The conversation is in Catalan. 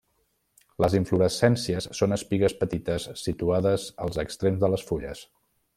Les inflorescències són espigues petites, situades els extrems de les fulles.